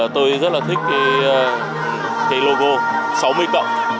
tôi rất là thích cái logo sáu mươi cộng